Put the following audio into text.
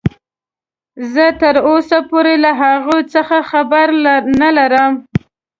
زه تراوسه پورې له هغوې څخه خبر نلرم.